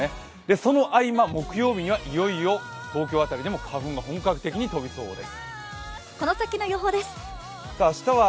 その合間、木曜日にはいよいよ東京辺りでも花粉が本格的に飛びそうです。